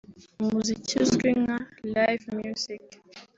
umuziki uzwi nka Live Music